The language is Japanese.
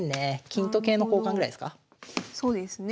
金と桂の交換ぐらいですか。